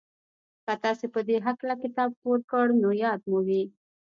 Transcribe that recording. که تاسې په دې هکله کتاب خپور کړ نو ياد مو وي.